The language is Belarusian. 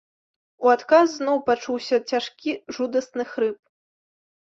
У адказ зноў пачуўся цяжкі жудасны хрып.